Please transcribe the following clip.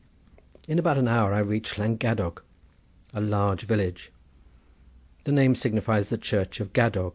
In about an hour I reached Llangadog, a large village. The name signifies the Church of Gadog.